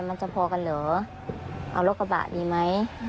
มันจะพอกันเหรอเอารถกระบะดีไหม